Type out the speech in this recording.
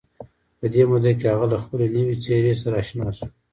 په دې موده کې هغه له خپلې نوې څېرې سره اشنا شو